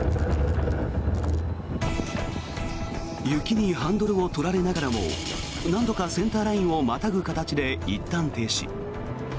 雪にハンドルを取られながらもなんとかセンターラインをまたぐ形で一旦停止。